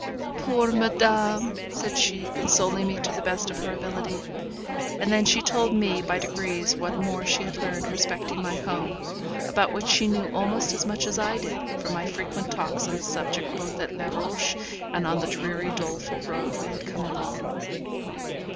'Poor madame,' said she, consoling me to the best of her ability. And then she told me by degrees what more she had learned respecting my home, about which she knew almost as much as I did, from my frequent talks on the subject both at Les Rochers and on the dreary, doleful road we had come along.